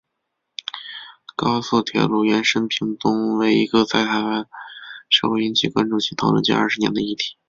高速铁路延伸屏东为一个在台湾社会引起关注且讨论近二十年的议题。